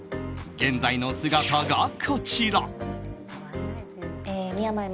現在の姿が、こちら。